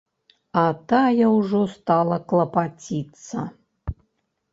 А тая ўжо стала клапаціцца.